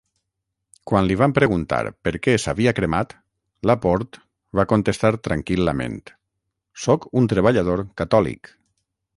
Quan li van preguntar per què s'havia cremat, LaPorte va contestar tranquil·lament: Sóc un treballador catòlic.